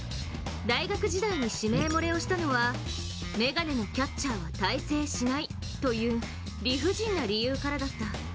大学時代に指名漏れをしたのは眼鏡のキャッチャーは大成しないという理不尽な理由からだった。